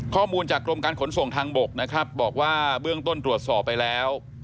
ข้อมูลจากกรมการขนส่งทางบกนะครับบอกว่าเบื้องต้นตรวจสอบไปแล้ว